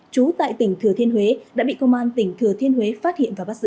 chú tại tp thừa thiên huế đã bị công an tp thừa thiên huế phát hiện và bắt giữ